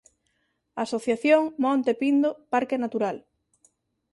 Asociación Monte Pindo Parque Natural